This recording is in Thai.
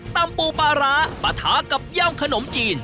ตำปูปะล่าปะท้ากับยำขนมจีน